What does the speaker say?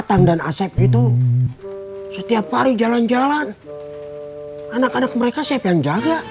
datang dan asep itu setiap hari jalan jalan anak anak mereka siapa yang jaga